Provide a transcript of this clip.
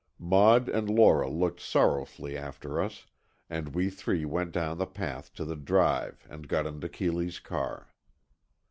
Maud and Lora looked sorrowfully after us, and we three went down the path to the drive and got into Keeley's car.